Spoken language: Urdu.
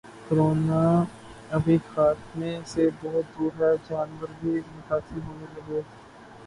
’کورونا ابھی خاتمے سے بہت دور ہے‘ جانور بھی متاثر ہونے لگے